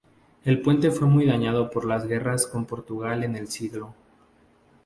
El puente fue muy dañado por las guerras con Portugal en el siglo.